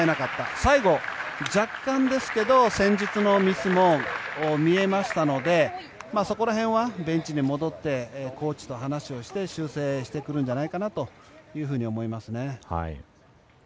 最後、若干ですけど戦術のミスも見えましたのでそこら辺はベンチに戻ってコーチと話をして修正してくるんじゃないかなと思いますね。